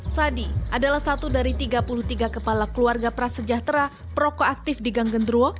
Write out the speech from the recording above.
sadi adalah satu dari tiga puluh tiga kepala keluarga prasejahtera prokoaktif di ganggendro